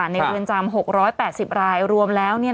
เรือนจำ๖๘๐รายรวมแล้ว